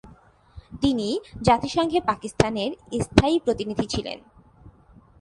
তিনি জাতিসংঘে পাকিস্তানের স্থায়ী প্রতিনিধি ছিলেন।